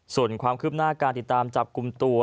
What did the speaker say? ส่วนความคืบหน้าการติดตามจับกลุ่มตัว